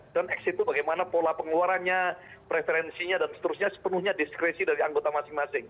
dan x itu bagaimana pola pengeluarannya preferensinya dan seterusnya sepenuhnya diskresi dari anggota anggota